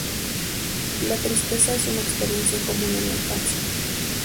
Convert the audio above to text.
La tristeza es una experiencia común en la infancia.